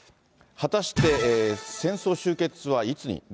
果たして戦争終結はいつに。